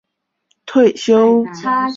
他也在雪梨夏季奥运结束后正式退休。